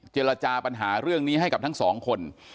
เจรจาปัญหาเรื่องนี้ให้กับทั้งสองคน